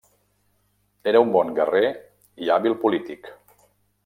Era un bon guerrer i hàbil polític.